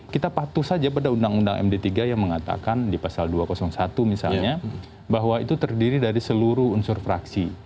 kita patuh saja pada undang undang md tiga yang mengatakan di pasal dua ratus satu misalnya bahwa itu terdiri dari seluruh unsur fraksi